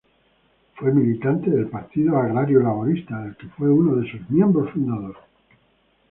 Fue militante del Partido Agrario Laborista, del que fue uno de los miembros fundadores.